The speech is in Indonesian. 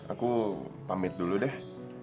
aku pamit dulu deh